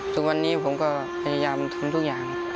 ทุกวันนี้ผมก็พยายามทำทุกอย่าง